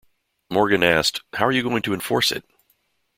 Morgan asked: How are you going to enforce it?